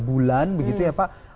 tiga bulan begitu ya pak